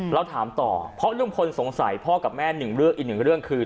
แล้วถามต่อเพราะลุงคลสงสัยพ่อกับแม่อีกเรื่องคือ